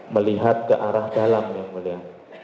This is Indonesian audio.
melihat ke arah dalam yang mulia